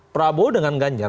prabowo dengan ganjar